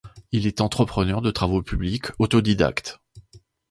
Il est entrepreneur de travaux publics autodidacte.